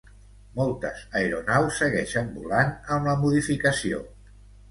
Moltes aeronaus segueixen volant amb la modificació.